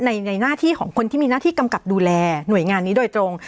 ในหน้าที่ของคนที่มีหน้าที่กำกับดูแลหน่วยงานนี้โดยตรง